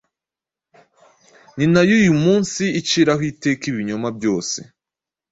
ni nayo uyu munsi iciraho iteka ibinyoma byose